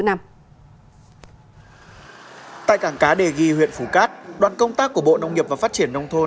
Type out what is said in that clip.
tại cảng cá đề ghi huyện phú cát đoàn công tác của bộ nông nghiệp và phát triển nông thôn